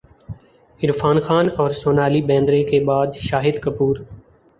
عرفان خان اور سونالی بیندر ے کے بعد شاہد کپور